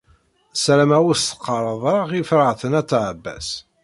Sarameɣ ur s-teqqareḍ ara i Ferḥat n At Ɛebbas.